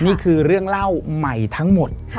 นี่คือเรื่องเล่าใหม่ทั้งหมด